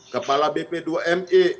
kepala bp dua mi